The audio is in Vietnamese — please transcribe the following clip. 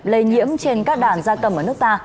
lây nhiễm trên các đàn gia cầm ở nước ta